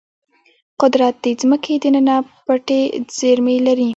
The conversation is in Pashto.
قدرت د ځمکې دننه پټې زیرمې لري.